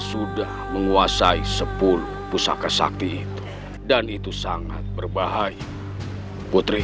terkadang kita butuh bocah licik seperti ini